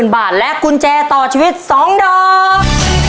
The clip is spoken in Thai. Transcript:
๐บาทและกุญแจต่อชีวิต๒ดอก